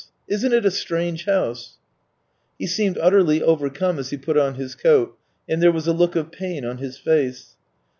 Isn't it a strange house !" He seemed utterly overcome as he put on his coat, and there was a look of pain on his face.